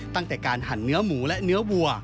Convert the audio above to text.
ตั้งแต่การหั่นเนื้อหมูและเนื้อวัว